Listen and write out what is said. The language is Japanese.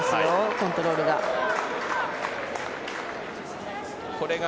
コントロールが。